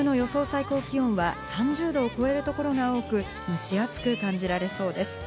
最高気温は３０度を超える所が多く蒸し暑く感じられそうです。